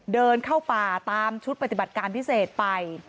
เดินเข้าป่าตามชุดปฏิบัติการพิเศษไป